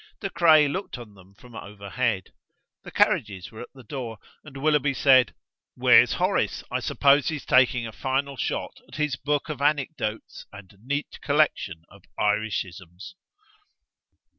De Craye looked on them from overhead. The carriages were at the door, and Willoughby said, "Where's Horace? I suppose he's taking a final shot at his Book of Anecdotes and neat collection of Irishisms."